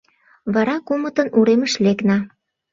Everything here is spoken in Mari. Вара кумытын уремыш лекна.